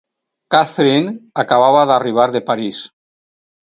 Catherine acabava d'arribar de París.